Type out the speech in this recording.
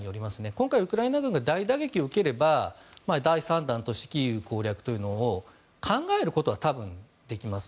今回ウクライナ軍が大打撃を受ければ第３段としてキーウ攻略というのを考えることは多分できます。